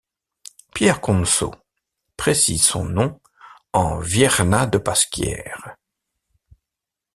Pierre Conso précise son nom en Vierna de Pasquière.